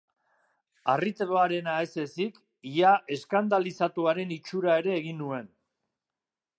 Harrituarena ez ezik, ia eskandalizatuaren itxura ere egin nuen.